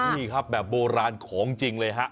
นี่ครับแบบโบราณของจริงเลยฮะ